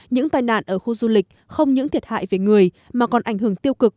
những tai nạn ở khu du lịch không những thiệt hại về người mà còn ảnh hưởng tiêu cực